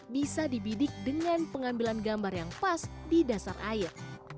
bisa dibidik dengan pengambilan gambar yang pas di dasar air